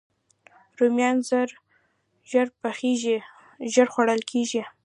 رومیان ژر پخېږي، ژر خوړل کېږي